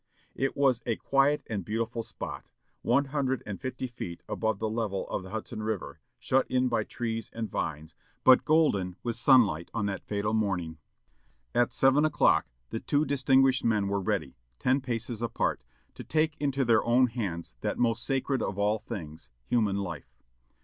It was a quiet and beautiful spot, one hundred and fifty feet above the level of the Hudson River, shut in by trees and vines, but golden with sunlight on that fatal morning. At seven o'clock the two distinguished men were ready, ten paces apart, to take into their own hands that most sacred of all things, human life.